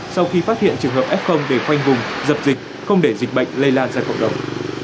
sau khi phát hiện trường hợp f để khoanh vùng dập dịch không để dịch bệnh lây lan ra cộng đồng